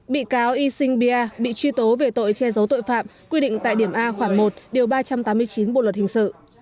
bị cáo y sinh bia bị truy tố về tội che giấu tội phạm quy định tại điểm a khoảng một điều ba trăm tám mươi chín bộ luật hình sự